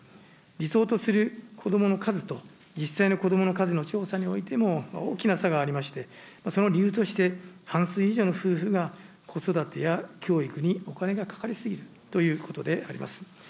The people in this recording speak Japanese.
理想とする子どもの数と、実際の子どもの数の調査においても大きな差がありまして、その理由として、半数以上の夫婦が子育てや教育にお金がかかり過ぎるということであります。